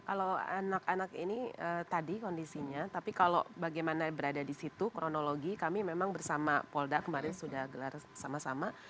kalau anak anak ini tadi kondisinya tapi kalau bagaimana berada di situ kronologi kami memang bersama polda kemarin sudah gelar sama sama